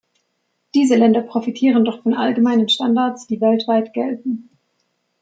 Diese Länder profitieren doch von allgemeinen Standards, die weltweit gelten.